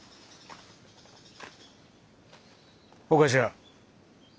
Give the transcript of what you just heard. お頭。